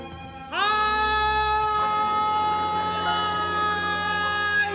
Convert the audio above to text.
はい！